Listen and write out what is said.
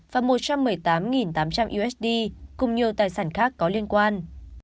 và một trăm một mươi tám tám trăm linh usd cùng nhiều tài sản khác có liên quan